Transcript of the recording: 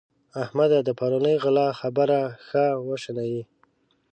احمده! د پرونۍ غلا خبره ښه وشنئ.